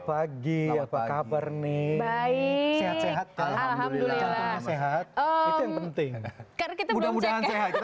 pagi apa kabar nih baik sehat sehat alhamdulillah sehat oh penting karena kita mudah mudahan sehat